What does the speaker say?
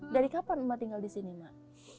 dari kapan emak tinggal di sini mak